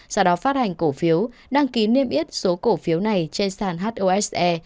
sau đó phát hành cổ phiếu đăng ký niêm yết số cổ phiếu này trên sàn hose